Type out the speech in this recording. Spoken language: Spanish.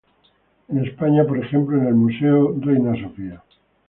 En España, por ejemplo, en el Museo Reina Sofía.